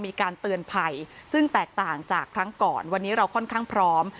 มีการเตือนภัยซึ่งแตกต่างจากครั้งก่อนวันนี้เราค่อนข้างพร้อม